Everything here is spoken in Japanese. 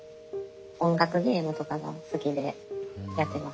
音楽ゲームとかが好きでやってます。